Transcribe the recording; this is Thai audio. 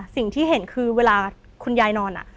สิ่งที่เห็นคือเวลาคุณยายนอน